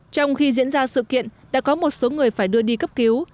trong khi diễn ra sự kiện đã có một số người phải đưa đi cấp cứu